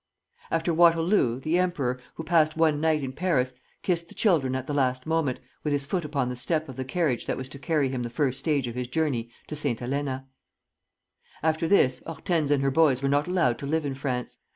After Waterloo, the emperor, who passed one night in Paris, kissed the children at the last moment, with his foot upon the step of the carriage that was to carry him the first stage of his journey to St. Helena. After this, Hortense and her boys were not allowed to live in France.